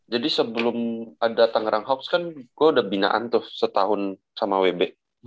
jadi sebelum ada tangerang hawks kan gua udah binaan tuh setahun sama wb